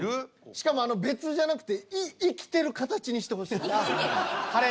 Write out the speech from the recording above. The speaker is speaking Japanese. しかも別じゃなくて生きてる形にしてほしいねん。